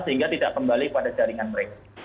sehingga tidak kembali pada jaringan mereka